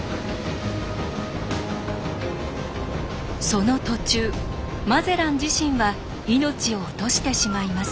その途中マゼラン自身は命を落としてしまいます。